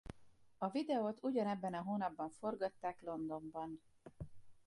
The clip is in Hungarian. A videót ugyanebben a hónapban forgatták Londonban.